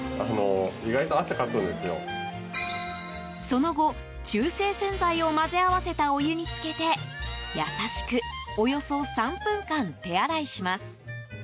その後、中性洗剤を混ぜ合わせたお湯に浸けて優しく、およそ３分間手洗いします。